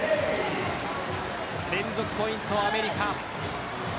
連続ポイント、アメリカ。